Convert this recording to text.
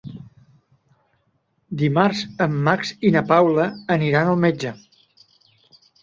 Dimarts en Max i na Paula aniran al metge.